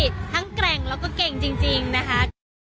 ทั้งแกร่งแล้วก็เก่งจริงนะคะ